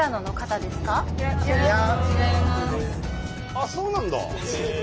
あっそうなんだ。